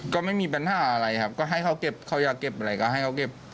ก็ไม่มีปัญหาอะไรครับก็ให้เขาเก็บเขาอยากเก็บอะไรก็ให้เขาเก็บ